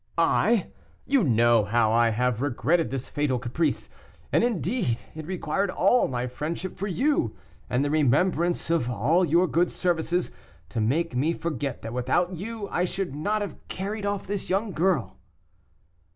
"I! you know how I have regretted this fatal caprice. And, indeed, it required all my friendship for you, and the remembrance of all your good services, to make me forget that without you I should not have carried off this young girl."